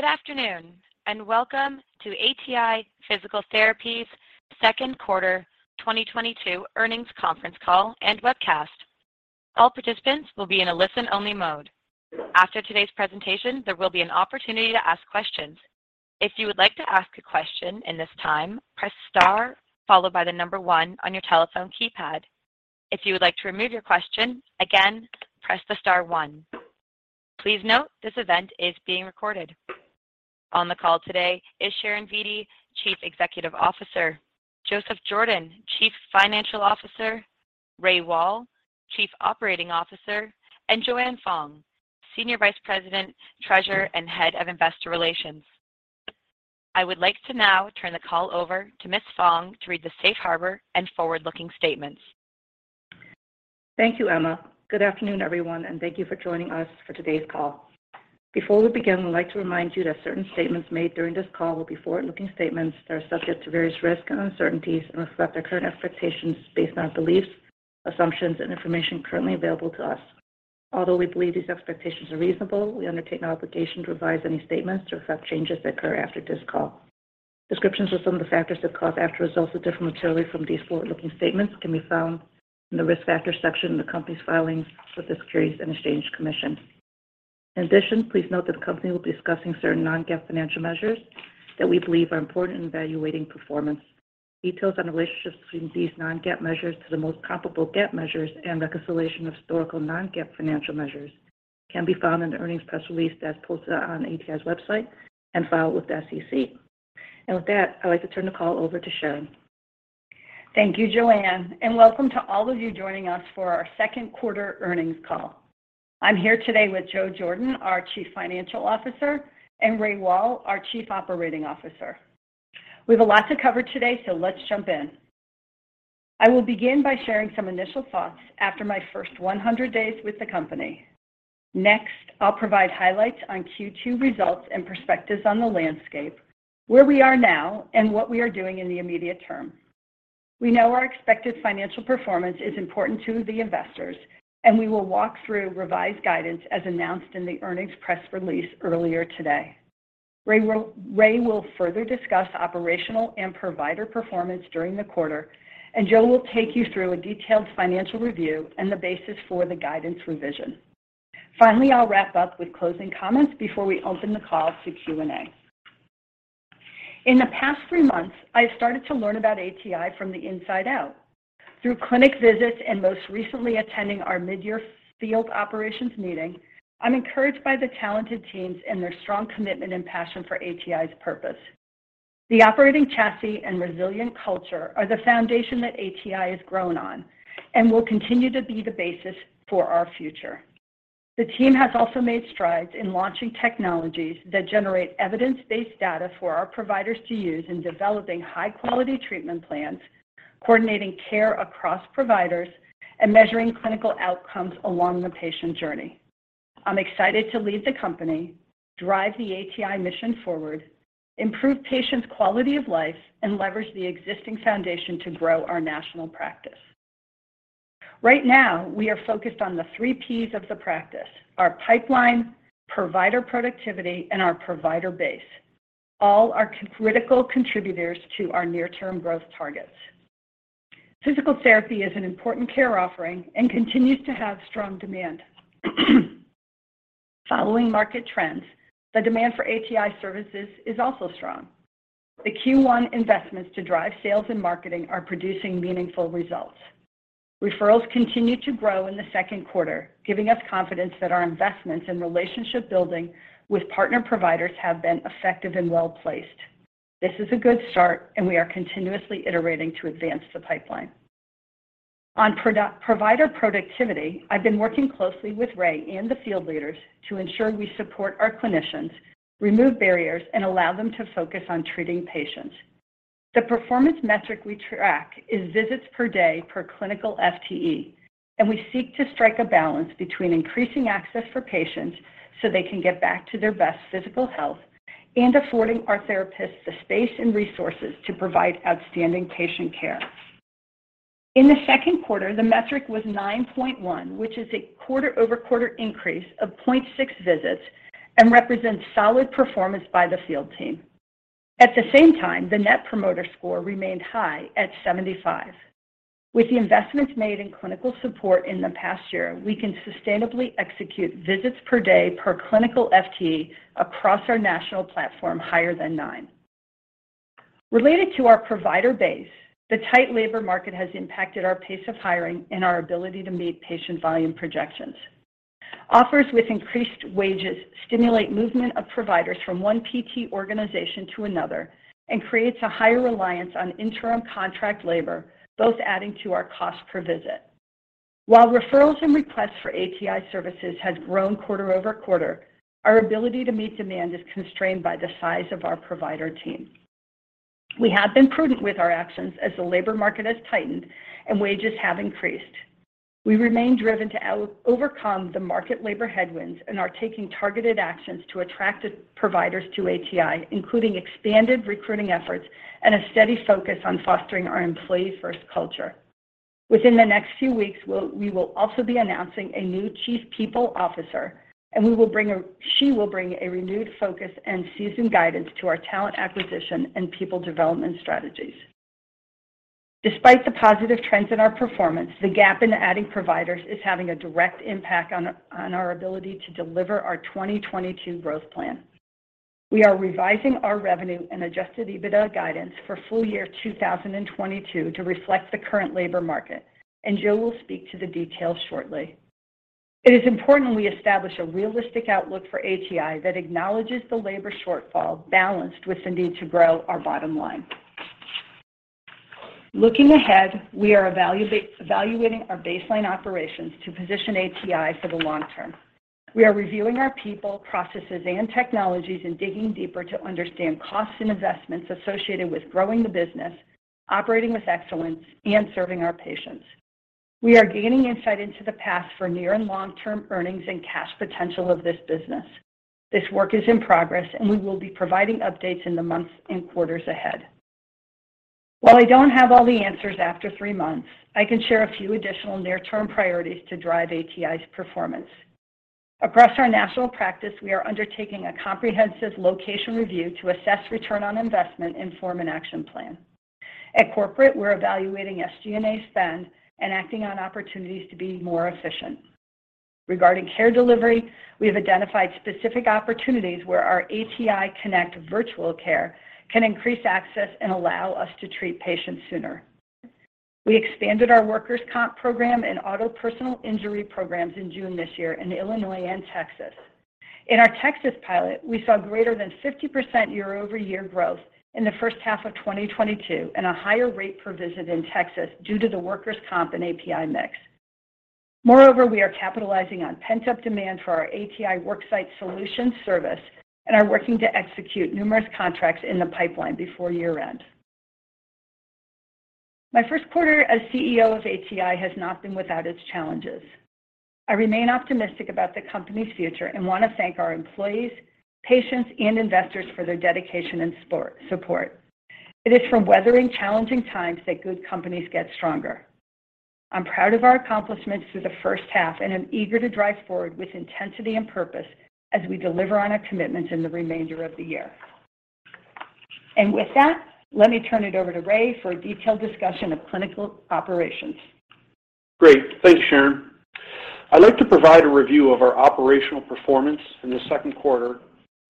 Good afternoon, and welcome to ATI Physical Therapy's second quarter 2022 earnings conference call and webcast. All participants will be in a listen-only mode. After today's presentation, there will be an opportunity to ask questions. If you would like to ask a question in this time, press star followed by the number one on your telephone keypad. If you would like to remove your question, again, press the star one. Please note, this event is being recorded. On the call today is Sharon Vitti, Chief Executive Officer, Joseph Jordan, Chief Financial Officer, Ray Wahl, Chief Operating Officer, and Joanne Fong, Senior Vice President, Treasurer, and Head of Investor Relations. I would like to now turn the call over to Ms. Fong to read the safe harbor and forward-looking statements. Thank you, Emma. Good afternoon, everyone, and thank you for joining us for today's call. Before we begin, we'd like to remind you that certain statements made during this call will be forward-looking statements that are subject to various risks and uncertainties and reflect our current expectations based on beliefs, assumptions, and information currently available to us. Although we believe these expectations are reasonable, we undertake no obligation to revise any statements to reflect changes that occur after this call. Descriptions of some of the factors that cause actual results to differ materially from these forward-looking statements can be found in the Risk Factors section in the company's filings with the Securities and Exchange Commission. In addition, please note that the company will be discussing certain non-GAAP financial measures that we believe are important in evaluating performance. Details on the relationship between these non-GAAP measures to the most comparable GAAP measures and reconciliation of historical non-GAAP financial measures can be found in the earnings press release that's posted on ATI's website and filed with the SEC. With that, I'd like to turn the call over to Sharon Vitti. Thank you, Joanne, and welcome to all of you joining us for our second quarter earnings call. I'm here today with Joe Jordan, our Chief Financial Officer, and Ray Wahl, our Chief Operating Officer. We have a lot to cover today, so let's jump in. I will begin by sharing some initial thoughts after my first 100 days with the company. Next, I'll provide highlights on Q2 results and perspectives on the landscape, where we are now, and what we are doing in the immediate term. We know our expected financial performance is important to the investors, and we will walk through revised guidance as announced in the earnings press release earlier today. Ray will further discuss operational and provider performance during the quarter, and Joe will take you through a detailed financial review and the basis for the guidance revision. Finally, I'll wrap up with closing comments before we open the call to Q&A. In the past three months, I've started to learn about ATI from the inside out. Through clinic visits and most recently attending our mid-year field operations meeting, I'm encouraged by the talented teams and their strong commitment and passion for ATI's purpose. The operating chassis and resilient culture are the foundation that ATI has grown on and will continue to be the basis for our future. The team has also made strides in launching technologies that generate evidence-based data for our providers to use in developing high-quality treatment plans, coordinating care across providers, and measuring clinical outcomes along the patient journey. I'm excited to lead the company, drive the ATI mission forward, improve patients' quality of life, and leverage the existing foundation to grow our national practice. Right now, we are focused on the three Ps of the practice, our pipeline, provider productivity, and our provider base. All are critical contributors to our near-term growth targets. Physical therapy is an important care offering and continues to have strong demand. Following market trends, the demand for ATI services is also strong. The Q1 investments to drive sales and marketing are producing meaningful results. Referrals continue to grow in the second quarter, giving us confidence that our investments in relationship building with partner providers have been effective and well-placed. This is a good start, and we are continuously iterating to advance the pipeline. On provider productivity, I've been working closely with Ray and the field leaders to ensure we support our clinicians, remove barriers, and allow them to focus on treating patients. The performance metric we track is visits per day per clinical FTE, and we seek to strike a balance between increasing access for patients so they can get back to their best physical health and affording our therapists the space and resources to provide outstanding patient care. In the second quarter, the metric was 9.1, which is a quarter-over-quarter increase of 0.6 visits and represents solid performance by the field team. At the same time, the Net Promoter Score remained high at 75. With the investments made in clinical support in the past year, we can sustainably execute visits per day per clinical FTE across our national platform higher than 9. Related to our provider base, the tight labor market has impacted our pace of hiring and our ability to meet patient volume projections. Offers with increased wages stimulate movement of providers from one PT organization to another and creates a higher reliance on interim contract labor, both adding to our cost per visit. While referrals and requests for ATI services has grown quarter-over-quarter, our ability to meet demand is constrained by the size of our provider team. We have been prudent with our actions as the labor market has tightened and wages have increased. We remain driven to overcome the market labor headwinds and are taking targeted actions to attract the providers to ATI, including expanded recruiting efforts and a steady focus on fostering our employee-first culture. Within the next few weeks, we will also be announcing a new chief people officer, and she will bring a renewed focus and seasoned guidance to our talent acquisition and people development strategies. Despite the positive trends in our performance, the gap in adding providers is having a direct impact on our ability to deliver our 2022 growth plan. We are revising our revenue and adjusted EBITDA guidance for full year 2022 to reflect the current labor market, and Joe will speak to the details shortly. It is important we establish a realistic outlook for ATI that acknowledges the labor shortfall balanced with the need to grow our bottom line. Looking ahead, we are evaluating our baseline operations to position ATI for the long term. We are reviewing our people, processes, and technologies and digging deeper to understand costs and investments associated with growing the business, operating with excellence, and serving our patients. We are gaining insight into the path for near and long-term earnings and cash potential of this business. This work is in progress, and we will be providing updates in the months and quarters ahead. While I don't have all the answers after three months, I can share a few additional near-term priorities to drive ATI's performance. Across our national practice, we are undertaking a comprehensive location review to assess return on investment and form an action plan. At corporate, we're evaluating SG&A spend and acting on opportunities to be more efficient. Regarding care delivery, we have identified specific opportunities where our ATI Connect virtual care can increase access and allow us to treat patients sooner. We expanded our workers' compensation program and auto personal injury programs in June this year in Illinois and Texas. In our Texas pilot, we saw greater than 50% year-over-year growth in the first half of 2022 and a higher rate per visit in Texas due to the workers' compensation and API mix. Moreover, we are capitalizing on pent-up demand for our ATI Worksite Solutions service and are working to execute numerous contracts in the pipeline before year-end. My first quarter as CEO of ATI has not been without its challenges. I remain optimistic about the company's future and want to thank our employees, patients, and investors for their dedication and support. It is from weathering challenging times that good companies get stronger. I'm proud of our accomplishments through the first half and am eager to drive forward with intensity and purpose as we deliver on our commitments in the remainder of the year. With that, let me turn it over to Ray for a detailed discussion of clinical operations. Great. Thanks, Sharon. I'd like to provide a review of our operational performance in the second quarter,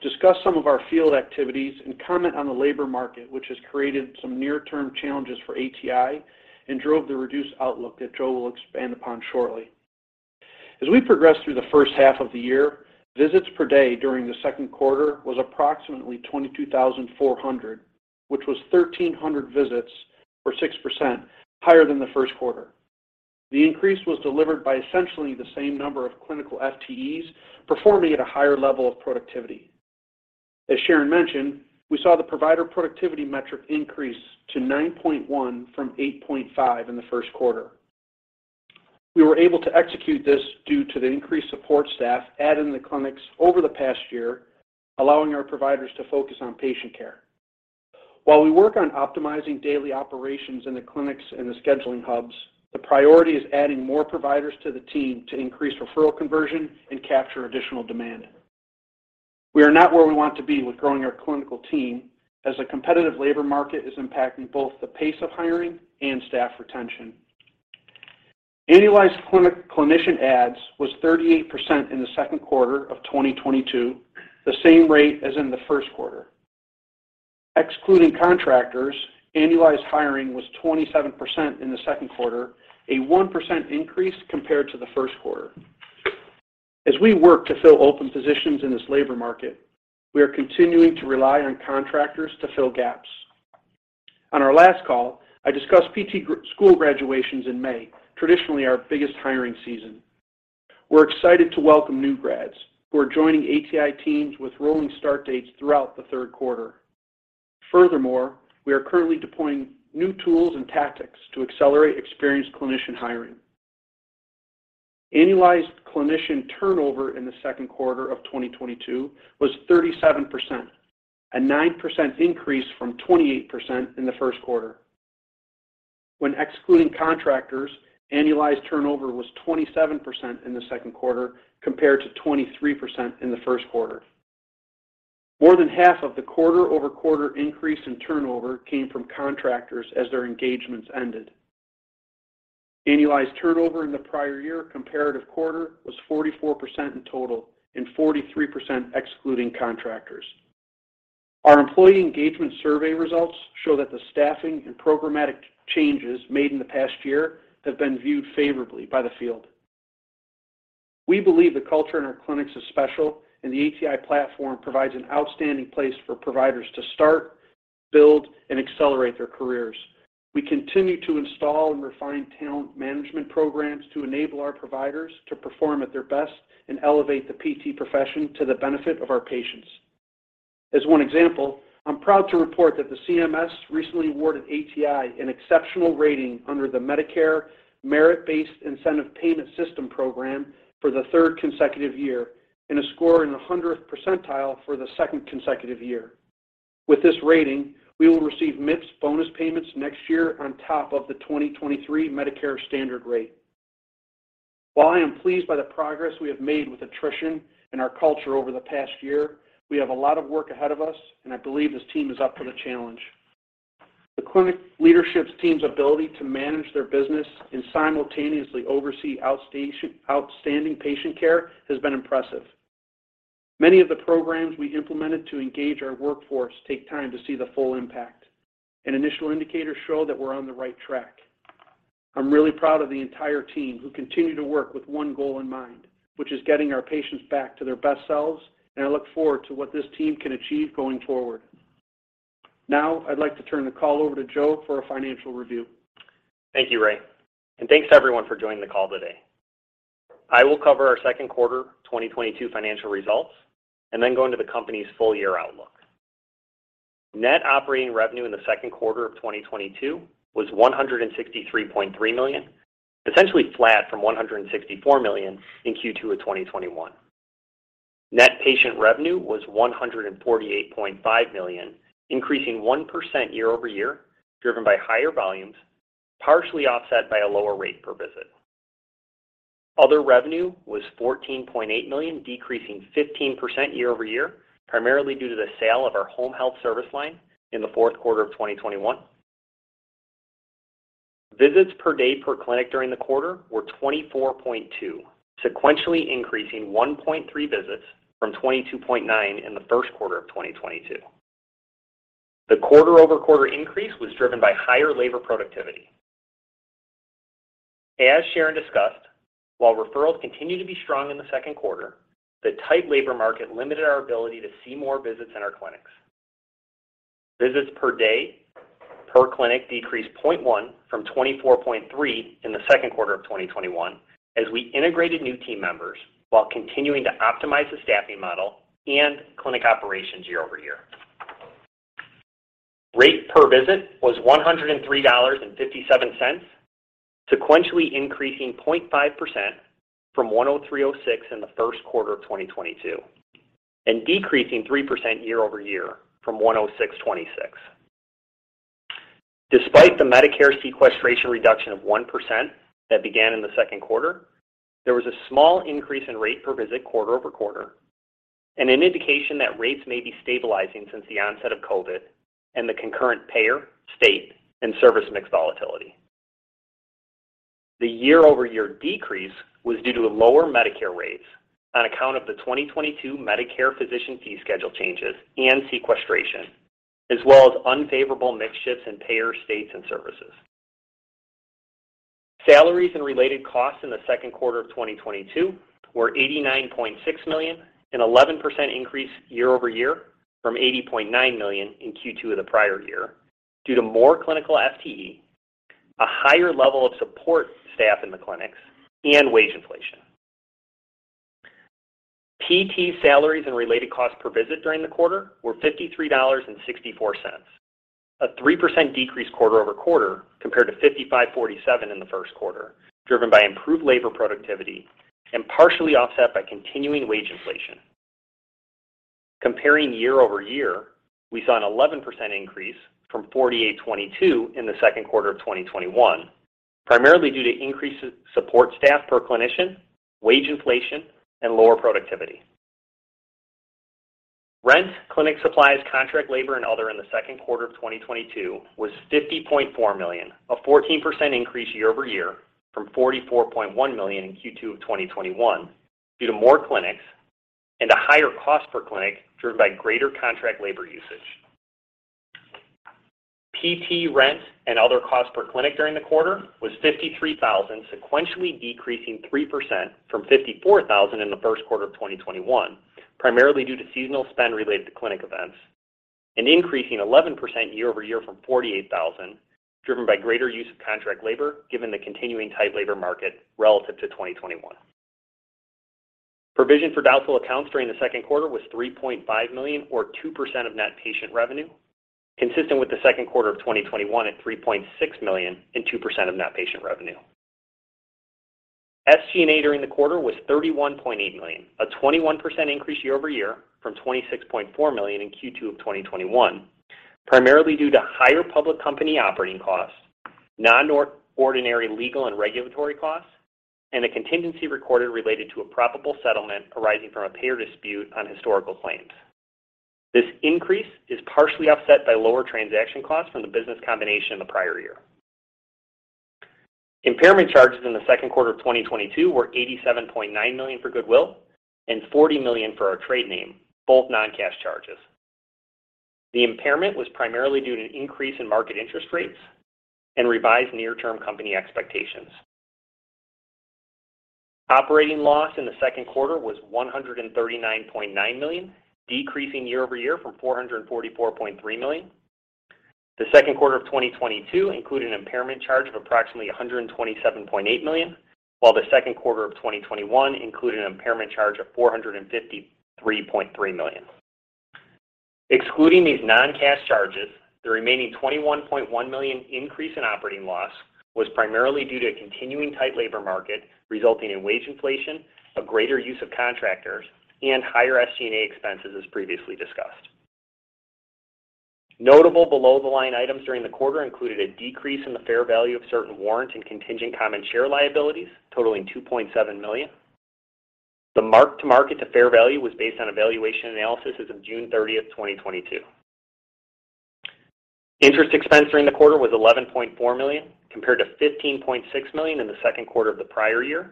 discuss some of our field activities, and comment on the labor market, which has created some near-term challenges for ATI and drove the reduced outlook that Joe will expand upon shortly. As we progress through the first half of the year, visits per day during the second quarter was approximately 22,400, which was 1,300 visits or 6% higher than the first quarter. The increase was delivered by essentially the same number of clinical FTEs performing at a higher level of productivity. As Sharon mentioned, we saw the provider productivity metric increase to 9.1 from 8.5 in the first quarter. We were able to execute this due to the increased support staff added in the clinics over the past year, allowing our providers to focus on patient care. While we work on optimizing daily operations in the clinics and the scheduling hubs, the priority is adding more providers to the team to increase referral conversion and capture additional demand. We are not where we want to be with growing our clinical team as a competitive labor market is impacting both the pace of hiring and staff retention. Annualized clinician adds was 38% in the second quarter of 2022, the same rate as in the first quarter. Excluding contractors, annualized hiring was 27% in the second quarter, a 1% increase compared to the first quarter. As we work to fill open positions in this labor market, we are continuing to rely on contractors to fill gaps. On our last call, I discussed PT school graduations in May, traditionally our biggest hiring season. We're excited to welcome new grads who are joining ATI teams with rolling start dates throughout the third quarter. Furthermore, we are currently deploying new tools and tactics to accelerate experienced clinician hiring. Annualized clinician turnover in the second quarter of 2022 was 37%, a 9% increase from 28% in the first quarter. When excluding contractors, annualized turnover was 27% in the second quarter compared to 23% in the first quarter. More than half of the quarter-over-quarter increase in turnover came from contractors as their engagements ended. Annualized turnover in the prior year comparative quarter was 44% in total and 43% excluding contractors. Our employee engagement survey results show that the staffing and programmatic changes made in the past year have been viewed favorably by the field. We believe the culture in our clinics is special, and the ATI platform provides an outstanding place for providers to start, build, and accelerate their careers. We continue to install and refine talent management programs to enable our providers to perform at their best and elevate the PT profession to the benefit of our patients. As one example, I'm proud to report that the CMS recently awarded ATI an exceptional rating under the Medicare Merit-based Incentive Payment System program for the third consecutive year and a score in the 100th percentile for the second consecutive year. With this rating, we will receive MIPS bonus payments next year on top of the 2023 Medicare standard rate. While I am pleased by the progress we have made with attrition and our culture over the past year, we have a lot of work ahead of us, and I believe this team is up for the challenge. The clinic leadership team's ability to manage their business and simultaneously oversee outstanding patient care has been impressive. Many of the programs we implemented to engage our workforce take time to see the full impact, and initial indicators show that we're on the right track. I'm really proud of the entire team who continue to work with one goal in mind, which is getting our patients back to their best selves, and I look forward to what this team can achieve going forward. Now, I'd like to turn the call over to Joe for a financial review. Thank you, Ray, and thanks to everyone for joining the call today. I will cover our second quarter 2022 financial results and then go into the company's full-year outlook. Net operating revenue in the second quarter of 2022 was $163.3 million, essentially flat from $164 million in Q2 of 2021. Net patient revenue was $148.5 million, increasing 1% year-over-year, driven by higher volumes, partially offset by a lower rate per visit. Other revenue was $14.8 million, decreasing 15% year-over-year, primarily due to the sale of our home health service line in the fourth quarter of 2021. Visits per day per clinic during the quarter were 24.2, sequentially increasing 1.3 visits from 22.9 in the first quarter of 2022. The quarter-over-quarter increase was driven by higher labor productivity. As Sharon discussed, while referrals continued to be strong in the second quarter, the tight labor market limited our ability to see more visits in our clinics. Visits per day per clinic decreased 0.1 from 24.3 in the second quarter of 2021 as we integrated new team members while continuing to optimize the staffing model and clinic operations year-over-year. Rate per visit was $103.57, sequentially increasing 0.5% from $103.06 in the first quarter of 2022 and decreasing 3% year-over-year from $106.26. Despite the Medicare sequestration reduction of 1% that began in the second quarter, there was a small increase in rate per visit quarter-over-quarter and an indication that rates may be stabilizing since the onset of COVID and the concurrent payer, state, and service mix volatility. The year-over-year decrease was due to lower Medicare rates on account of the 2022 Medicare Physician Fee Schedule changes and sequestration, as well as unfavorable mix shifts in payer, states, and services. Salaries and related costs in the second quarter of 2022 were $89.6 million, an 11% increase year-over-year from $80.9 million in Q2 of the prior year due to more clinical FTE, a higher level of support staff in the clinics, and wage inflation. PT salaries and related costs per visit during the quarter were $53.64, a 3% decrease quarter-over-quarter compared to $55.47 in the first quarter, driven by improved labor productivity and partially offset by continuing wage inflation. Comparing year-over-year, we saw an 11% increase from $48.22 in the second quarter of 2021, primarily due to increased support staff per clinician, wage inflation, and lower productivity. Rent, clinic supplies, contract labor, and other in the second quarter of 2022 was $50.4 million, a 14% increase year-over-year from $44.1 million in Q2 of 2021 due to more clinics and a higher cost per clinic driven by greater contract labor usage. PT rent and other costs per clinic during the quarter was $53,000, sequentially decreasing 3% from $54,000 in the first quarter of 2021, primarily due to seasonal spend related to clinic events and increasing 11% year-over-year from $48,000, driven by greater use of contract labor given the continuing tight labor market relative to 2021. Provision for doubtful accounts during the second quarter was $3.5 million or 2% of net patient revenue, consistent with the second quarter of 2021 at $3.6 million and 2% of net patient revenue. SG&A during the quarter was $31.8 million, a 21% increase year-over-year from $26.4 million in Q2 of 2021, primarily due to higher public company operating costs, non-ordinary legal and regulatory costs, and a contingency recorded related to a probable settlement arising from a payer dispute on historical claims. This increase is partially offset by lower transaction costs from the business combination in the prior year. Impairment charges in the second quarter of 2022 were $87.9 million for goodwill and $40 million for our trade name, both non-cash charges. The impairment was primarily due to an increase in market interest rates and revised near-term company expectations. Operating loss in the second quarter was $139.9 million, decreasing year-over-year from $444.3 million. The second quarter of 2022 included an impairment charge of approximately $127.8 million, while the second quarter of 2021 included an impairment charge of $453.3 million. Excluding these non-cash charges, the remaining $21.1 million increase in operating loss was primarily due to a continuing tight labor market, resulting in wage inflation, a greater use of contractors, and higher SG&A expenses as previously discussed. Notable below-the-line items during the quarter included a decrease in the fair value of certain warrants and contingent common share liabilities totaling $2.7 million. The mark-to-market to fair value was based on a valuation analysis as of June 30th, 2022. Interest expense during the quarter was $11.4 million, compared to $15.6 million in the second quarter of the prior year,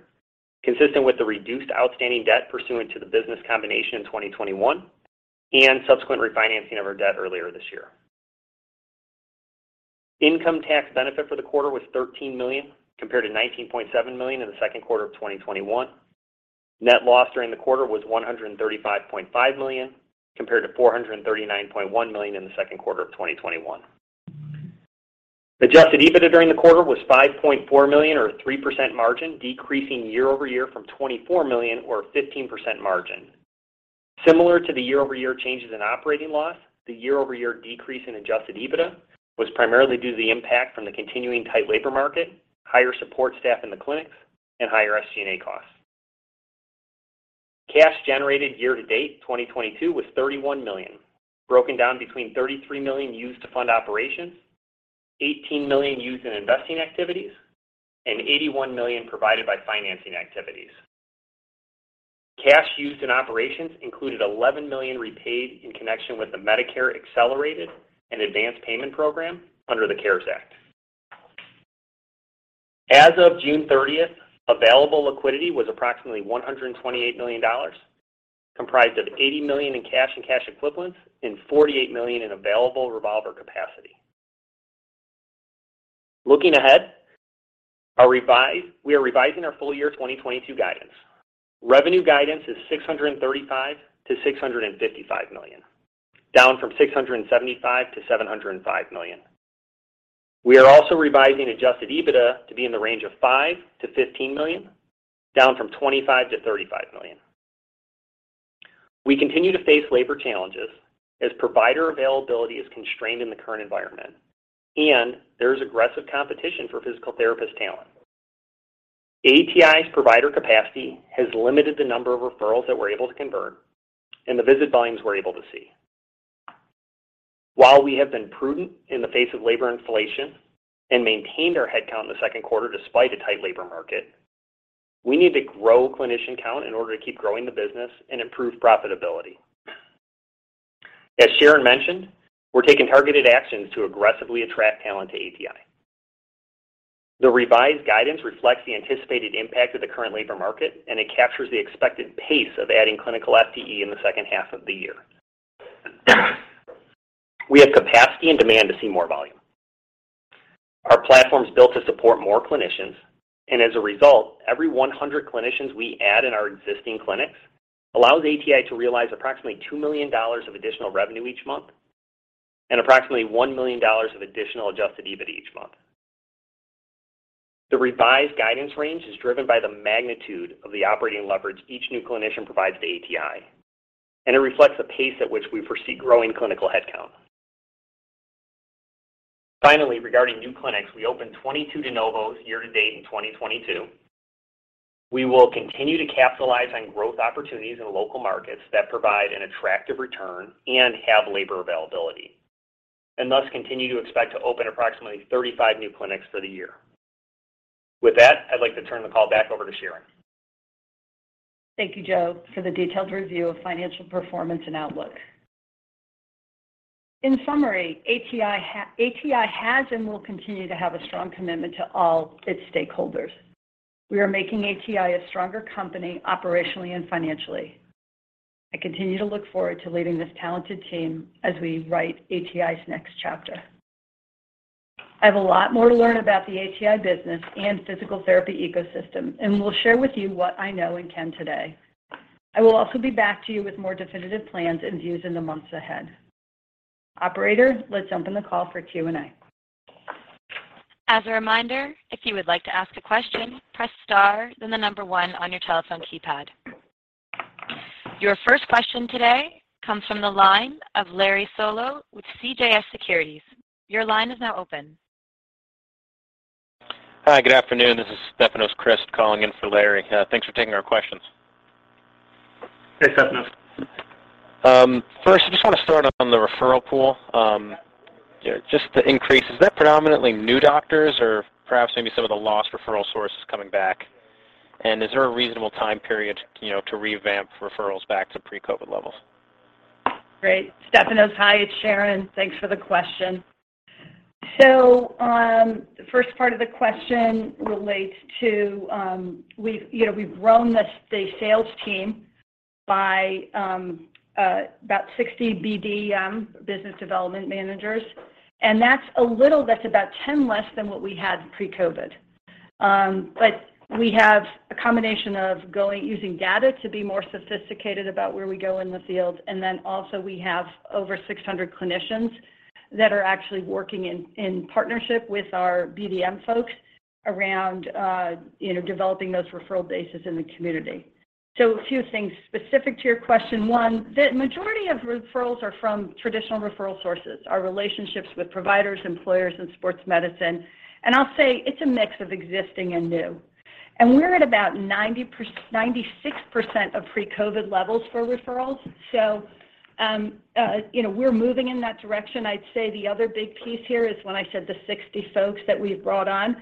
consistent with the reduced outstanding debt pursuant to the business combination in 2021 and subsequent refinancing of our debt earlier this year. Income tax benefit for the quarter was $13 million, compared to $19.7 million in the second quarter of 2021. Net loss during the quarter was $135.5 million, compared to $439.1 million in the second quarter of 2021. Adjusted EBITDA during the quarter was $5.4 million or a 3% margin, decreasing year-over-year from $24 million or a 15% margin. Similar to the year-over-year changes in operating loss, the year-over-year decrease in adjusted EBITDA was primarily due to the impact from the continuing tight labor market, higher support staff in the clinics and higher SG&A costs. Cash generated year to date 2022 was $31 million, broken down between $33 million used to fund operations, $18 million used in investing activities, and $81 million provided by financing activities. Cash used in operations included $11 million repaid in connection with the Medicare Accelerated and Advance Payment Program under the CARES Act. As of June thirtieth, available liquidity was approximately $128 million, comprised of $80 million in cash and cash equivalents and $48 million in available revolver capacity. Looking ahead, we are revising our full-year 2022 guidance. Revenue guidance is $635 million-$655 million, down from $675 million-$705 million. We are also revising adjusted EBITDA to be in the range of $5 million-$15 million, down from $25 million-$35 million. We continue to face labor challenges as provider availability is constrained in the current environment, and there is aggressive competition for physical therapist talent. ATI's provider capacity has limited the number of referrals that we're able to convert and the visit volumes we're able to see. While we have been prudent in the face of labor inflation and maintained our headcount in the second quarter despite a tight labor market, we need to grow clinician count in order to keep growing the business and improve profitability. As Sharon mentioned, we're taking targeted actions to aggressively attract talent to ATI. The revised guidance reflects the anticipated impact of the current labor market, and it captures the expected pace of adding clinical FTE in the second half of the year. We have capacity and demand to see more volume. Our platform is built to support more clinicians, and as a result, every 100 clinicians we add in our existing clinics allows ATI to realize approximately $2 million of additional revenue each month and approximately $1 million of additional adjusted EBIT each month. The revised guidance range is driven by the magnitude of the operating leverage each new clinician provides to ATI, and it reflects the pace at which we foresee growing clinical headcount. Finally, regarding new clinics, we opened 22 de novos year to date in 2022. We will continue to capitalize on growth opportunities in local markets that provide an attractive return and have labor availability, and thus continue to expect to open approximately 35 new clinics for the year. With that, I'd like to turn the call back over to Sharon. Thank you, Joe, for the detailed review of financial performance and outlook. In summary, ATI has and will continue to have a strong commitment to all its stakeholders. We are making ATI a stronger company operationally and financially. I continue to look forward to leading this talented team as we write ATI's next chapter. I have a lot more to learn about the ATI business and physical therapy ecosystem, and will share with you what I know and can today. I will also be back to you with more definitive plans and views in the months ahead. Operator, let's open the call for Q&A. As a reminder, if you would like to ask a question, press star, then the number one on your telephone keypad. Your first question today comes from the line of Larry Solow with CJS Securities. Your line is now open. Hi, good afternoon. This is Stefanos Crist calling in for Larry. Thanks for taking our questions. Hey, Stefanos. First I just wanna start on the referral pool. You know, just the increase. Is that predominantly new doctors or perhaps maybe some of the lost referral sources coming back? Is there a reasonable time period to, you know, to revamp referrals back to pre-COVID levels? Great. Stefanos, hi, it's Sharon. Thanks for the question. The first part of the question relates to, you know, we've grown the sales team by about 60 BDM, business development managers, and that's about 10 less than what we had pre-COVID. We have a combination of using data to be more sophisticated about where we go in the field. We also have over 600 clinicians that are actually working in partnership with our BDM folks around, you know, developing those referral bases in the community. A few things specific to your question. One, the majority of referrals are from traditional referral sources, our relationships with providers, employers, and sports medicine. I'll say it's a mix of existing and new. We're at about 96% of pre-COVID levels for referrals. You know, we're moving in that direction. I'd say the other big piece here is when I said the 60 folks that we've brought on,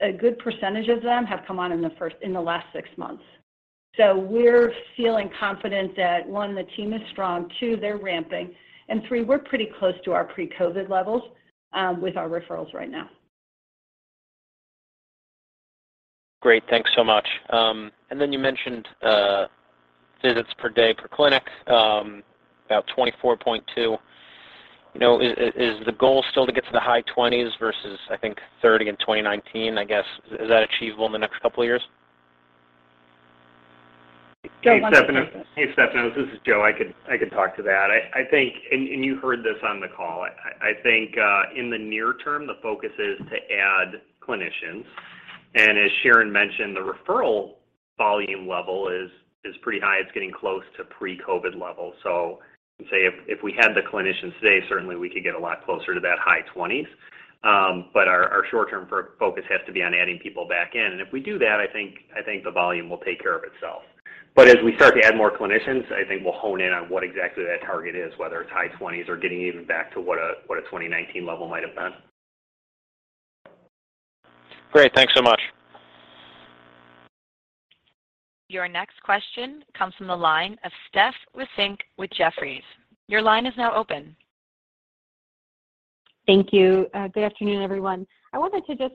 a good percentage of them have come on in the last six months. We're feeling confident that, one, the team is strong, two, they're ramping, and three, we're pretty close to our pre-COVID levels with our referrals right now. Great. Thanks so much. Then you mentioned visits per day per clinic about 24.2. You know, is the goal still to get to the high 20s versus, I think, 30 in 2019, I guess, is that achievable in the next couple of years? Joe, why don't you take this. Hey, Stefanos. Hey, Stefanos, this is Joe. I could talk to that. I think and you heard this on the call, I think in the near term, the focus is to add clinicians. As Sharon mentioned, the referral volume level is pretty high. It's getting close to pre-COVID levels. Say if we had the clinicians today, certainly we could get a lot closer to that high 20s. But our short-term focus has to be on adding people back in. If we do that, I think the volume will take care of itself. As we start to add more clinicians, I think we'll hone in on what exactly that target is, whether it's high 20s or getting even back to what a 2019 level might have been. Great. Thanks so much. Your next question comes from the line of Stephanie Wissink with Jefferies. Your line is now open. Thank you. Good afternoon, everyone. I wanted to just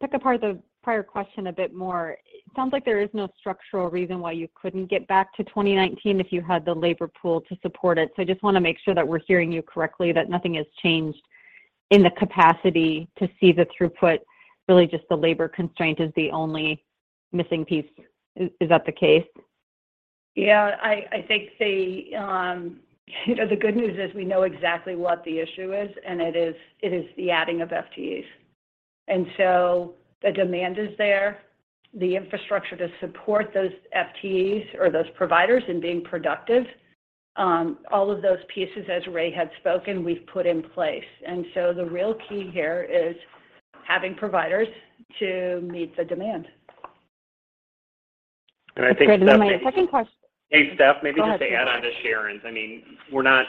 pick apart the prior question a bit more. It sounds like there is no structural reason why you couldn't get back to 2019 if you had the labor pool to support it. I just want to make sure that we're hearing you correctly, that nothing has changed in the capacity to see the throughput, really just the labor constraint is the only missing piece. Is that the case? Yeah. I think, you know, the good news is we know exactly what the issue is, and it is the adding of FTEs. The demand is there. The infrastructure to support those FTEs or those providers in being productive, all of those pieces, as Ray had spoken, we've put in place. The real key here is having providers to meet the demand. I think, Steph- My second question. Hey, Steph, maybe just to add onto Sharon's. Go ahead. I mean, we're not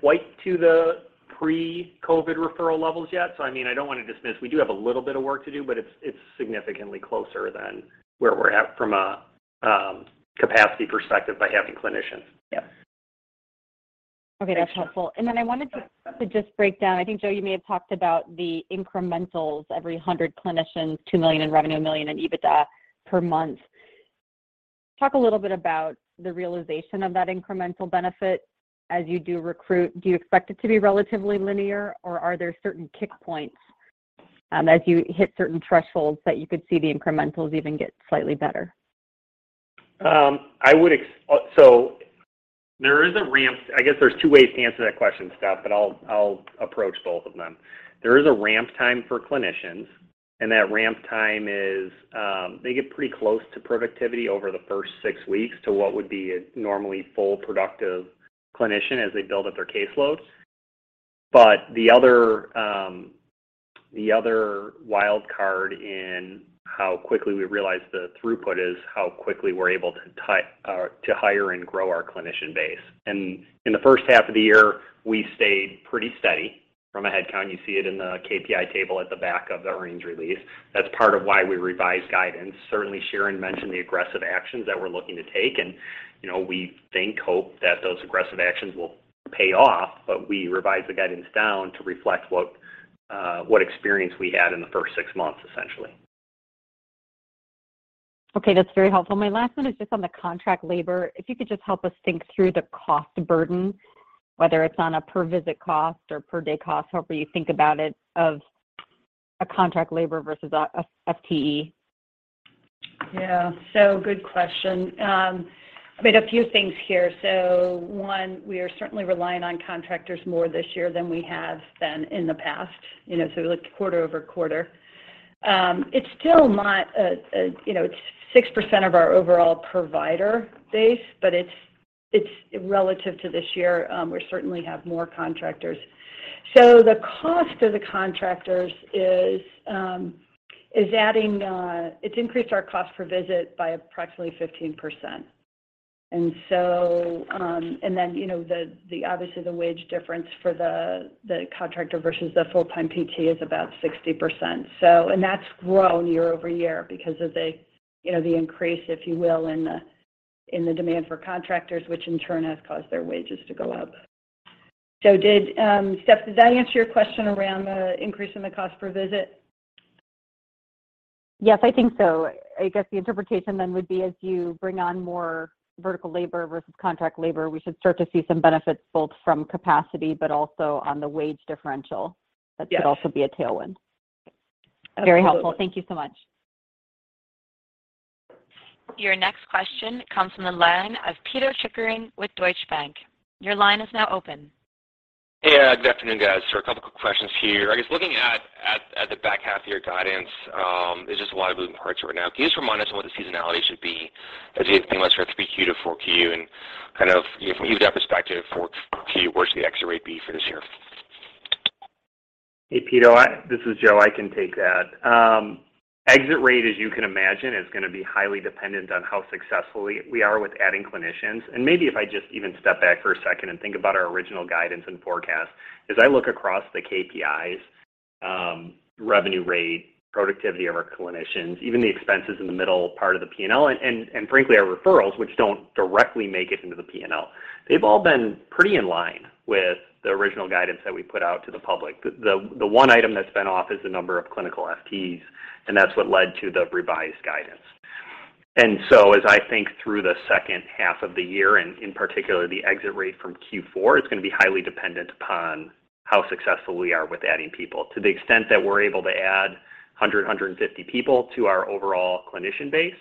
quite to the pre-COVID referral levels yet. I mean, I don't want to dismiss. We do have a little bit of work to do, but it's significantly closer than where we're at from a capacity perspective by having clinicians. Yeah. Okay. That's helpful. I wanted to just break down. I think, Joe, you may have talked about the incrementals, every 100 clinicians, $2 million in revenue, $1 million in EBITDA per month. Talk a little bit about the realization of that incremental benefit as you do recruit. Do you expect it to be relatively linear, or are there certain kick points, as you hit certain thresholds that you could see the incrementals even get slightly better? There is a ramp. I guess there's two ways to answer that question, Steph, but I'll approach both of them. There is a ramp time for clinicians, and that ramp time is they get pretty close to productivity over the first six weeks to what would be a normally full productive clinician as they build up their caseloads. But the other wild card in how quickly we realize the throughput is how quickly we're able to or to hire and grow our clinician base. In the first half of the year, we stayed pretty steady from a headcount. You see it in the KPI table at the back of the earnings release. That's part of why we revised guidance. Certainly, Sharon mentioned the aggressive actions that we're looking to take. You know, we think, hope that those aggressive actions will pay off, but we revised the guidance down to reflect what experience we had in the first six months, essentially. Okay. That's very helpful. My last one is just on the contract labor. If you could just help us think through the cost burden, whether it's on a per visit cost or per day cost, however you think about it, of a contract labor versus a FTE. Yeah. Good question. I mean, a few things here. One, we are certainly relying on contractors more this year than we have been in the past, you know. We look quarter-over-quarter. It's still not, you know, 6% of our overall provider base, but it's relative to this year, we certainly have more contractors. The cost of the contractors is adding. It's increased our cost per visit by approximately 15%. You know, obviously the wage difference for the contractor versus the full-time PT is about 60%. That's grown year-over-year because of, you know, the increase, if you will, in the demand for contractors, which in turn has caused their wages to go up. Steph, did that answer your question around the increase in the cost per visit? Yes, I think so. I guess the interpretation then would be as you bring on more vertical labor versus contract labor, we should start to see some benefits both from capacity but also on the wage differential. Yes. That could also be a tailwind. Absolutely. Very helpful. Thank you so much. Your next question comes from the line of Pito Chickering with Deutsche Bank. Your line is now open. Yeah, good afternoon, guys. A couple of quick questions here. I guess looking at the back half of your guidance, there's just a lot of moving parts right now. Can you just remind us what the seasonality should be as you think about sort of 3Q-4Q? Kind of if we use that perspective, 4Q, where should the exit rate be for this year? Hey, Pito, this is Joe. I can take that. Exit rate, as you can imagine, is gonna be highly dependent on how successfully we are with adding clinicians. Maybe if I just even step back for a second and think about our original guidance and forecast. As I look across the KPIs, revenue rate, productivity of our clinicians, even the expenses in the middle part of the P&L, and frankly, our referrals, which don't directly make it into the P&L. They've all been pretty in line with the original guidance that we put out to the public. The one item that's been off is the number of clinical FTEs, and that's what led to the revised guidance. As I think through the second half of the year, and in particular, the exit rate from Q4, it's gonna be highly dependent upon how successful we are with adding people. To the extent that we're able to add 100-150 people to our overall clinician base,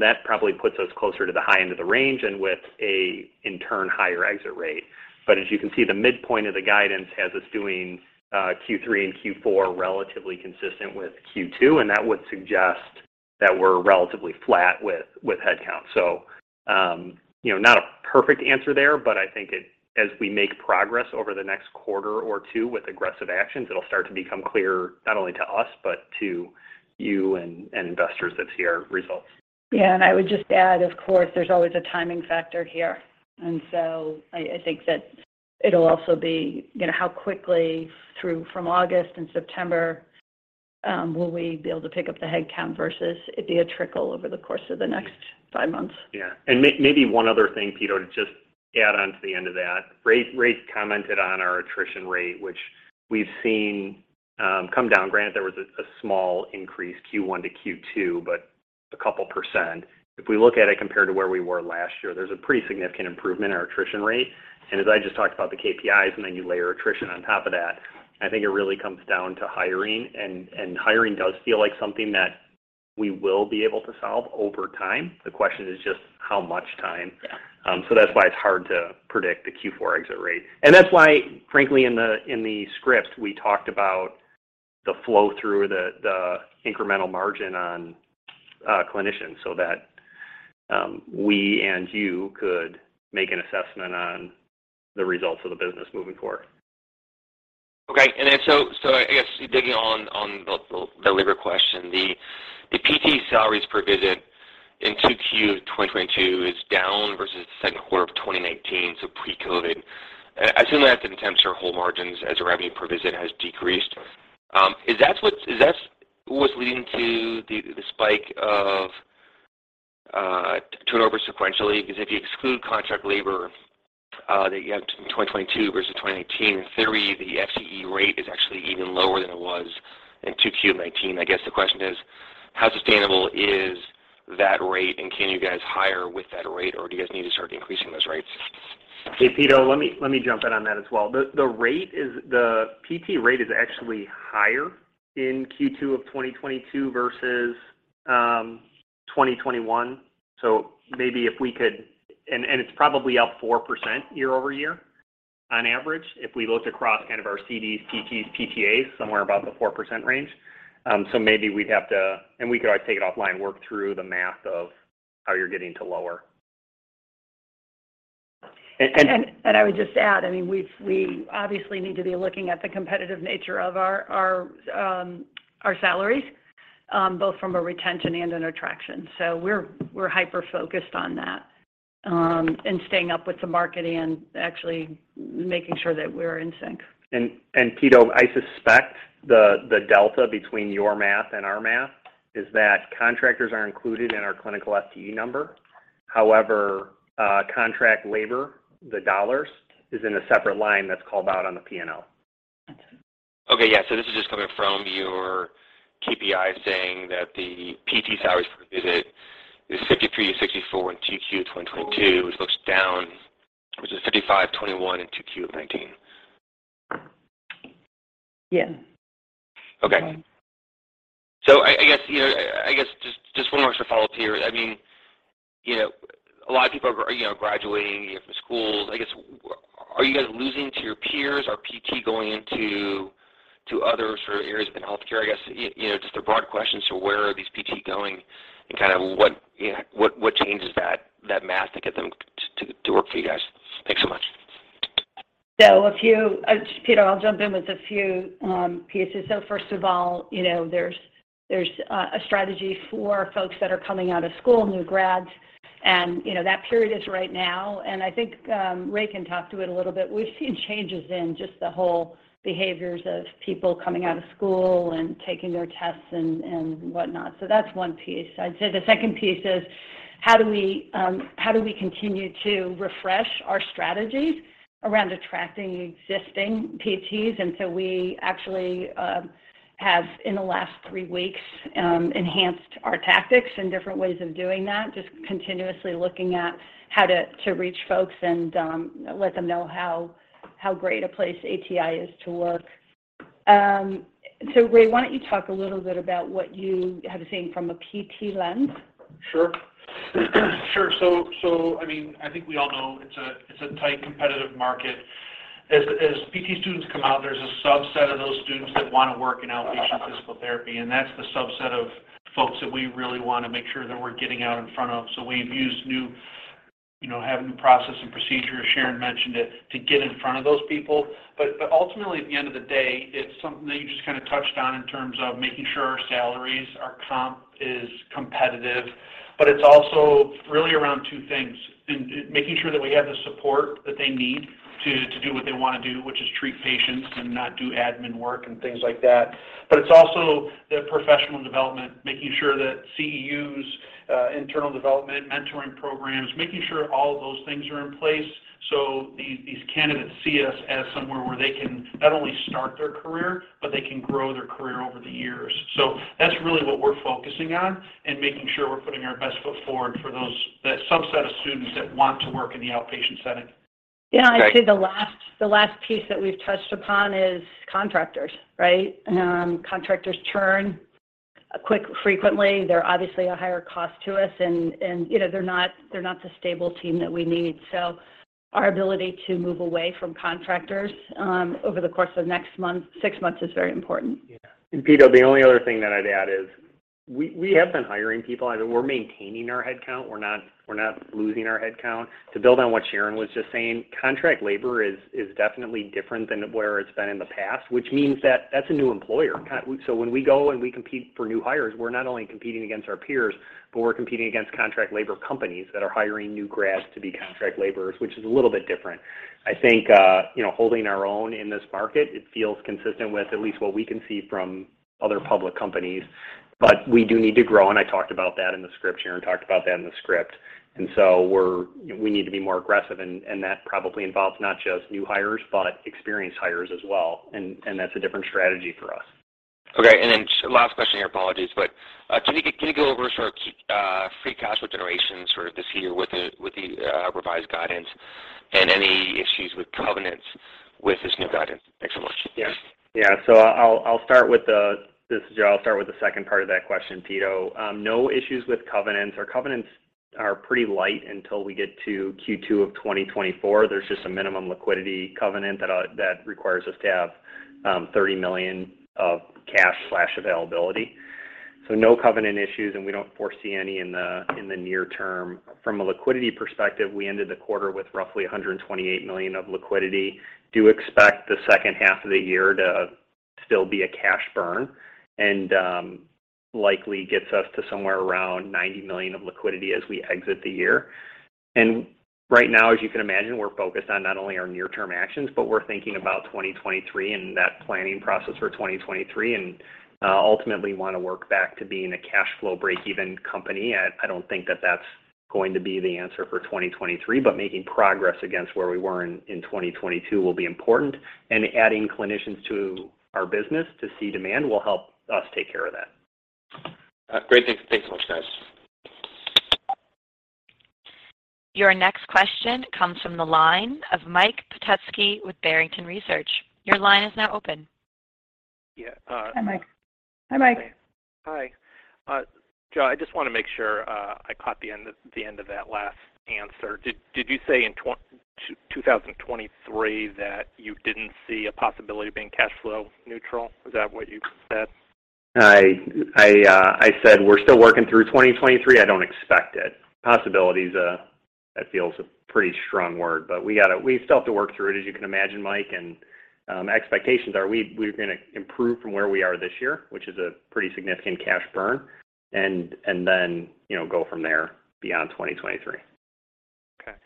that probably puts us closer to the high end of the range and, in turn, higher exit rate. But as you can see, the midpoint of the guidance has us doing Q3 and Q4 relatively consistent with Q2, and that would suggest that we're relatively flat with headcount. You know, not a perfect answer there, but I think as we make progress over the next quarter or two with aggressive actions, it'll start to become clearer, not only to us, but to you and investors that see our results. Yeah. I would just add, of course, there's always a timing factor here. I think that it'll also be, you know, how quickly through from August and September, will we be able to pick up the headcount versus it be a trickle over the course of the next five months. Maybe one other thing, Pito, to just add on to the end of that. Ray commented on our attrition rate, which we've seen come down. Granted, there was a small increase Q1-Q2, but a couple percent. If we look at it compared to where we were last year, there's a pretty significant improvement in our attrition rate. As I just talked about the KPIs, and then you layer attrition on top of that, I think it really comes down to hiring. Hiring does feel like something that we will be able to solve over time. The question is just how much time. That's why it's hard to predict the Q4 exit rate. That's why, frankly, in the script, we talked about the flow through the incremental margin on clinicians so that we and you could make an assessment on the results of the business moving forward. I guess digging on the labor question, the PT salaries per visit in 2Q 2022 is down versus the second quarter of 2019, so pre-COVID. I assume that's an attempt to shore whole margins as revenue per visit has decreased. Is that what's leading to the spike of turnover sequentially? Because if you exclude contract labor that you have in 2022 versus 2019, in theory, the FTE rate is actually even lower than it was in 2Q 2019. I guess the question is, how sustainable is that rate, and can you guys hire with that rate, or do you guys need to start increasing those rates? Hey, Pito. Let me jump in on that as well. The PT rate is actually higher in Q2 of 2022 versus 2021. It's probably up 4% year-over-year on average. If we looked across kind of our CDs, PTs, PTAs, somewhere about the 4% range. We could always take it offline, work through the math of how you're getting to lower. And, and- I would just add, I mean, we obviously need to be looking at the competitive nature of our salaries both from a retention and an attraction. We're hyper-focused on that and staying up with the market and actually making sure that we're in sync. Pito, I suspect the delta between your math and our math is that contractors are included in our clinical FTE number. However, contract labor, the dollars, is in a separate line that's called out on the P&L. Mm-hmm. Okay. Yeah. This is just coming from your KPI saying that the PT salaries per visit is $53-$64 in 2Q 2022, which looks down, which is $55.21 in 2Q of 2019. Yeah. Okay. I guess just one more follow-up here. I mean, you know, a lot of people are, you know, graduating from schools. I guess, are you guys losing to your peers? Are PT going into other sort of areas within healthcare? I guess, you know, just a broad question. Where are these PT going and kind of what, you know, what changes that math to get them to work for you guys? Thanks so much. Pito, I'll jump in with a few pieces. First of all, you know, there's a strategy for folks that are coming out of school, new grads, and, you know, that period is right now. I think Ray can talk to it a little bit. We've seen changes in just the whole behaviors of people coming out of school and taking their tests and whatnot. That's one piece. I'd say the second piece is how do we continue to refresh our strategies around attracting existing PTs? We actually have, in the last three weeks, enhanced our tactics and different ways of doing that, just continuously looking at how to reach folks and let them know how great a place ATI is to work. Ray, why don't you talk a little bit about what you have seen from a PT lens? Sure. I mean, I think we all know it's a tight, competitive market. As PT students come out, there's a subset of those students that wanna work in outpatient physical therapy, and that's the subset of folks that we really wanna make sure that we're getting out in front of. We've used new You know, having the process and procedure, as Sharon mentioned, to get in front of those people. Ultimately, at the end of the day, it's something that you just kinda touched on in terms of making sure our salaries, our comp is competitive. It's also really around two things. Making sure that we have the support that they need to do what they wanna do, which is treat patients and not do admin work and things like that. It's also the professional development, making sure that CEUs, internal development, mentoring programs, making sure all of those things are in place so these candidates see us as somewhere where they can not only start their career, but they can grow their career over the years. That's really what we're focusing on, and making sure we're putting our best foot forward for those, that subset of students that want to work in the outpatient setting. Yeah. Right. I'd say the last piece that we've touched upon is contractors, right? Contractors churn quite frequently. They're obviously a higher cost to us and, you know, they're not the stable team that we need. Our ability to move away from contractors over the course of the next month, six months is very important. Yeah. Pito, the only other thing that I'd add is we have been hiring people. We're maintaining our head count. We're not losing our head count. To build on what Sharon was just saying, contract labor is definitely different than where it's been in the past, which means that that's a new employer. So when we go and we compete for new hires, we're not only competing against our peers, but we're competing against contract labor companies that are hiring new grads to be contract laborers, which is a little bit different. I think, you know, holding our own in this market, it feels consistent with at least what we can see from other public companies. We do need to grow, and I talked about that in the script, Sharon talked about that in the script. We're, you know, we need to be more aggressive and that probably involves not just new hires, but experienced hires as well, and that's a different strategy for us. Okay. Last question here, apologies. Can you go over sort of free cash flow generation sort of this year with the revised guidance and any issues with covenants with this new guidance? Thanks so much. Yeah. Yeah. This is Joe. I'll start with the second part of that question, Pito. No issues with covenants. Our covenants are pretty light until we get to Q2 of 2024. There's just a minimum liquidity covenant that requires us to have $30 million of cash/availability. No covenant issues, and we don't foresee any in the near term. From a liquidity perspective, we ended the quarter with roughly $128 million of liquidity. Do expect the second half of the year to still be a cash burn, and likely gets us to somewhere around $90 million of liquidity as we exit the year. Right now, as you can imagine, we're focused on not only our near term actions, but we're thinking about 2023 and that planning process for 2023, and ultimately wanna work back to being a cash flow break-even company. I don't think that that's going to be the answer for 2023, but making progress against where we were in 2022 will be important. Adding clinicians to our business to meet demand will help us take care of that. Great. Thanks so much, guys. Your next question comes from the line of Michael Petusky with Barrington Research. Your line is now open. Yeah. Hi, Mike. Hi, Mike. Hey. Hi. Joe, I just wanna make sure I caught the end of the end of that last answer. Did you say in 2023 that you didn't see a possibility of being cash flow neutral? Is that what you said? I said we're still working through 2023. I don't expect it. Possibility is. It feels a pretty strong word. We still have to work through it, as you can imagine, Mike. Expectations are we're gonna improve from where we are this year, which is a pretty significant cash burn, and then, you know, go from there beyond 2023. Okay.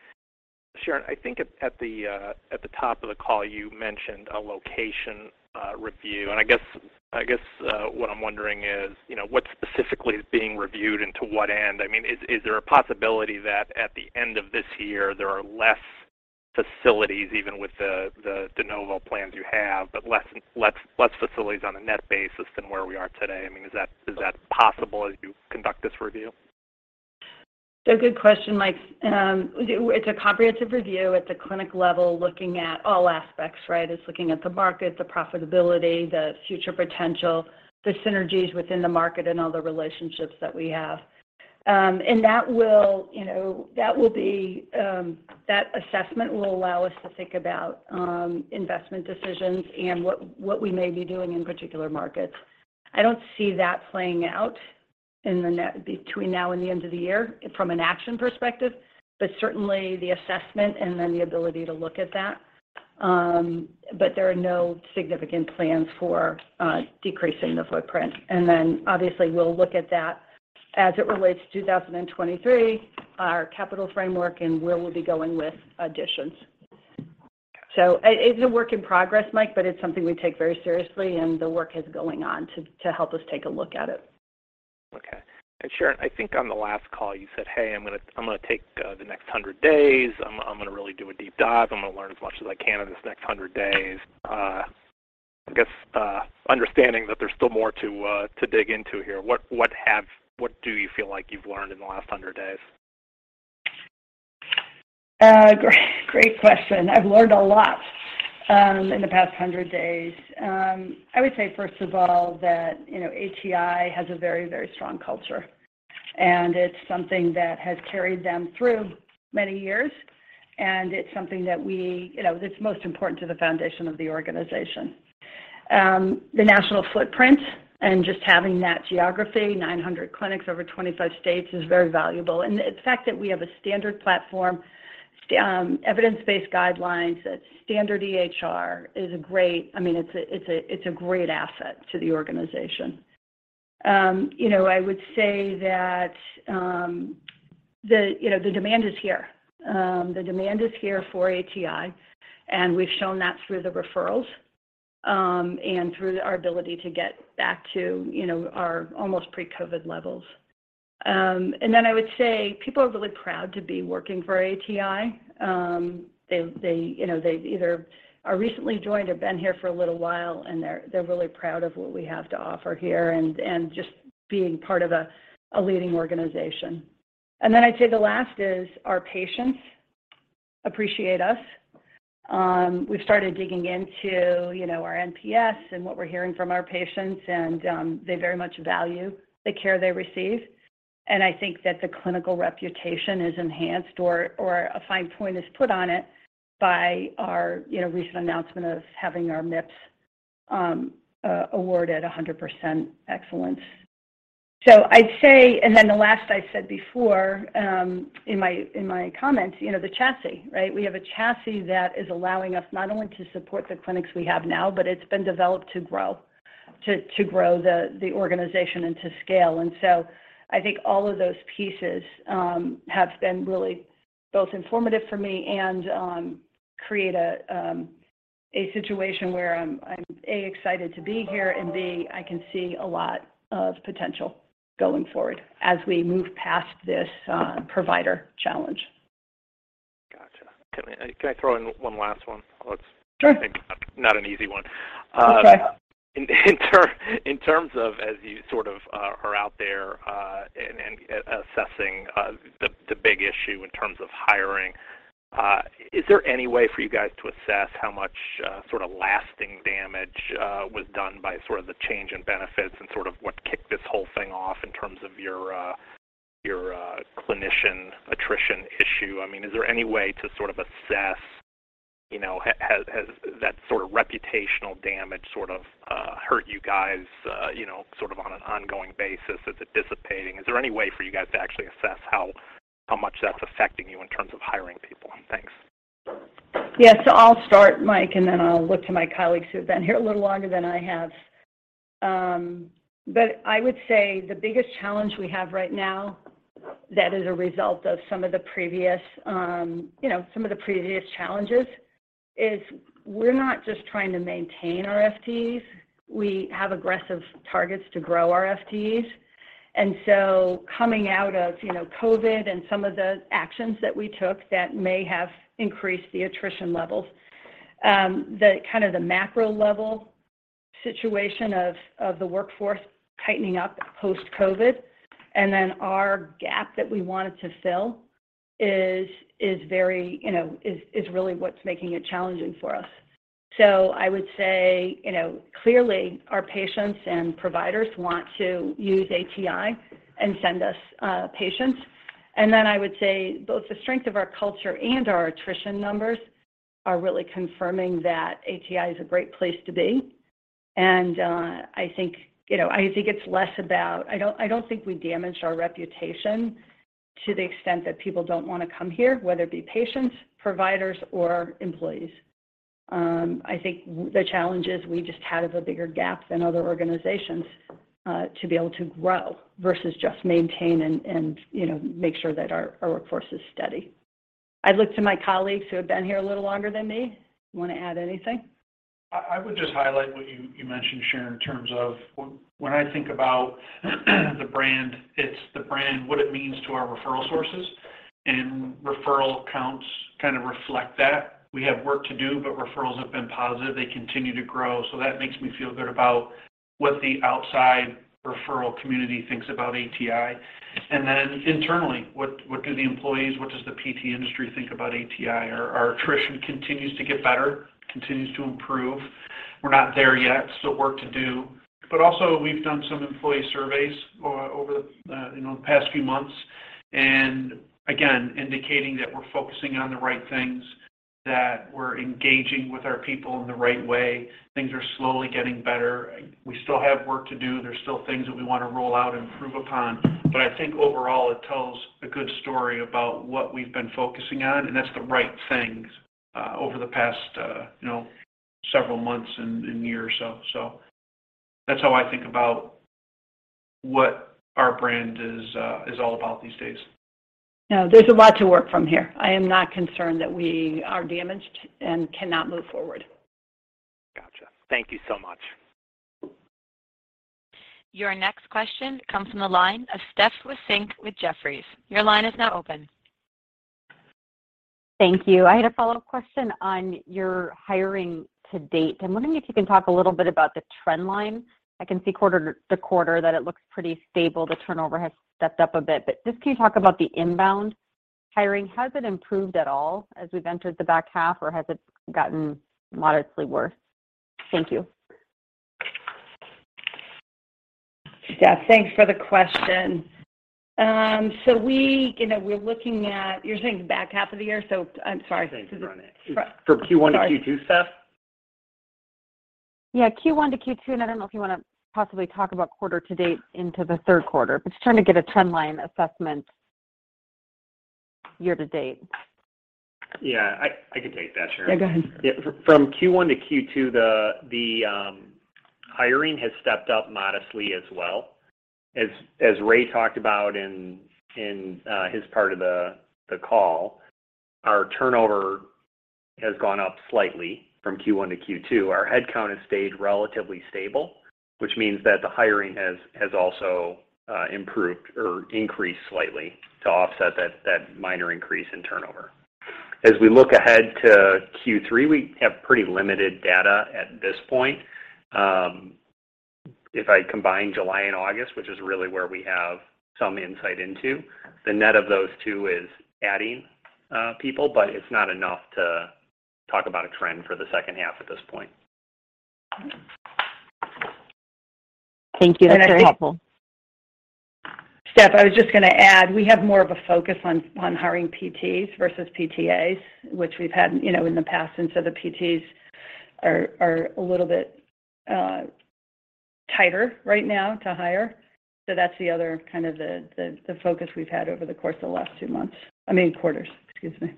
Sharon, I think at the top of the call, you mentioned a location review. I guess what I'm wondering is, you know, what specifically is being reviewed and to what end? I mean, is there a possibility that at the end of this year, there are less facilities, even with the de novo plans you have, but less facilities on a net basis than where we are today? I mean, is that possible as you conduct this review? It's a good question, Mike. It's a comprehensive review at the clinic level looking at all aspects, right? It's looking at the market, the profitability, the future potential, the synergies within the market, and all the relationships that we have. That will, you know, that will be, that assessment will allow us to think about investment decisions and what we may be doing in particular markets. I don't see that playing out between now and the end of the year from an action perspective, but certainly the assessment and then the ability to look at that. There are no significant plans for decreasing the footprint. Obviously we'll look at that as it relates to 2023, our capital framework, and where we'll be going with additions. It's a work in progress, Mike, but it's something we take very seriously, and the work is going on to help us take a look at it. Okay. Sharon, I think on the last call you said, "Hey, I'm gonna take the next 100 days. I'm gonna really do a deep dive. I'm gonna learn as much as I can in this next 100 days." I guess, understanding that there's still more to dig into here, what do you feel like you've learned in the last 100 days? Great question. I've learned a lot in the past 100 days. I would say, first of all, that, you know, ATI has a very strong culture, and it's something that has carried them through many years, and it's something that we, you know, that's most important to the foundation of the organization. The national footprint and just having that geography, 900 clinics over 25 states is very valuable. The fact that we have a standard platform, evidence-based guidelines, that standard EHR is a great asset to the organization. I mean, it's a great asset to the organization. You know, I would say that, you know, the demand is here. The demand is here for ATI, and we've shown that through the referrals, and through our ability to get back to, you know, our almost pre-COVID levels. I would say people are really proud to be working for ATI. They, you know, either are recently joined or been here for a little while, and they're really proud of what we have to offer here and just being part of a leading organization. I'd say the last is our patients appreciate us. We've started digging into, you know, our NPS and what we're hearing from our patients, and they very much value the care they receive. I think that the clinical reputation is enhanced or a fine point is put on it by our, you know, recent announcement of having our MIPS award at 100% excellence. I'd say, and then the last I said before in my comments, you know, the chassis, right? We have a chassis that is allowing us not only to support the clinics we have now, but it's been developed to grow the organization and to scale. I think all of those pieces have been really both informative for me and create a situation where I'm A, excited to be here, and B, I can see a lot of potential going forward as we move past this provider challenge. Gotcha. Can I throw in one last one? Let's Sure. Not an easy one. Okay. In terms of as you sort of are out there and assessing the big issue in terms of hiring, is there any way for you guys to assess how much sort of lasting damage was done by sort of the change in benefits and sort of what kicked this whole thing off in terms of your clinician attrition issue? I mean, is there any way to sort of assess, you know, has that sort of reputational damage sort of hurt you guys, you know, sort of on an ongoing basis? Is it dissipating? Is there any way for you guys to actually assess how much that's affecting you in terms of hiring people? Thanks. Yeah. I'll start, Mike, and then I'll look to my colleagues who have been here a little longer than I have. But I would say the biggest challenge we have right now that is a result of some of the previous, you know, some of the previous challenges is we're not just trying to maintain our FTEs. We have aggressive targets to grow our FTEs. Coming out of, you know, COVID and some of the actions that we took that may have increased the attrition levels, the kind of the macro level situation of the workforce tightening up post-COVID, and then our gap that we wanted to fill is very, you know, really what's making it challenging for us. I would say, you know, clearly our patients and providers want to use ATI and send us patients. I would say both the strength of our culture and our attrition numbers are really confirming that ATI is a great place to be. I think, you know, it's less about. I don't think we damaged our reputation to the extent that people don't wanna come here, whether it be patients, providers, or employees. I think the challenge is we just have a bigger gap than other organizations to be able to grow versus just maintain and, you know, make sure that our workforce is steady. I look to my colleagues who have been here a little longer than me. Wanna add anything? I would just highlight what you mentioned, Sharon, in terms of when I think about the brand. It's the brand, what it means to our referral sources, and referral counts kind of reflect that. We have work to do, but referrals have been positive. They continue to grow. That makes me feel good about what the outside referral community thinks about ATI. Then internally, what do the employees, what does the PT industry think about ATI? Our attrition continues to get better, continues to improve. We're not there yet. Still work to do. Also we've done some employee surveys over the, you know, the past few months. Again, indicating that we're focusing on the right things, that we're engaging with our people in the right way. Things are slowly getting better. We still have work to do. There's still things that we wanna roll out, improve upon. I think overall it tells a good story about what we've been focusing on, and that's the right things over the past, you know, several months and years. That's how I think about what our brand is all about these days. No, there's a lot to work from here. I am not concerned that we are damaged and cannot move forward. Gotcha. Thank you so much. Your next question comes from the line of Stephanie Wissink with Jefferies. Your line is now open. Thank you. I had a follow-up question on your hiring to date. I'm wondering if you can talk a little bit about the trend line. I can see quarter-to-quarter that it looks pretty stable. The turnover has stepped up a bit. Just can you talk about the inbound hiring? Has it improved at all as we've entered the back half, or has it gotten moderately worse? Thank you. Steph, thanks for the question. You're saying the back half of the year, so I'm sorry. Thanks, Sharon. It's for Q1-Q2, Steph. Sorry. Yeah, Q1-Q2, and I don't know if you wanna possibly talk about quarter to date into the third quarter, but just trying to get a trend line assessment year to date. Yeah, I can take that, Sharon. Yeah, go ahead. Yeah, from Q1-Q2, the hiring has stepped up modestly as well. As Ray talked about in his part of the call, our turnover has gone up slightly from Q1-Q2. Our headcount has stayed relatively stable, which means that the hiring has also improved or increased slightly to offset that minor increase in turnover. As we look ahead to Q3, we have pretty limited data at this point. If I combine July and August, which is really where we have some insight into, the net of those two is adding people, but it's not enough to talk about a trend for the second half at this point. Thank you. That's very helpful. Steph, I was just gonna add, we have more of a focus on hiring PTs versus PTAs, which we've had, you know, in the past. The PTs are a little bit tighter right now to hire. That's the other kind of the focus we've had over the course of the last two months, I mean, quarters, excuse me.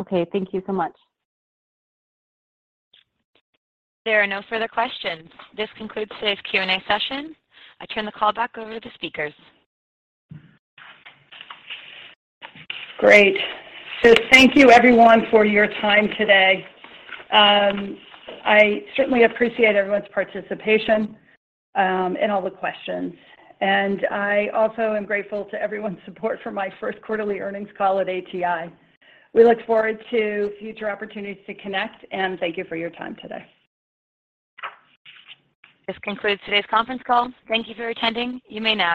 Okay. Thank you so much. There are no further questions. This concludes today's Q&A session. I turn the call back over to the speakers. Great. Thank you everyone for your time today. I certainly appreciate everyone's participation, and all the questions, and I also am grateful to everyone's support for my first quarterly earnings call at ATI. We look forward to future opportunities to connect, and thank you for your time today. This concludes today's conference call. Thank you for attending. You may now disconnect.